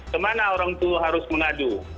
kemana orang tua harus mengadu